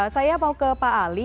saya mau ke pak ali